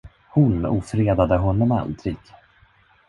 Hon ofredade honom aldrig.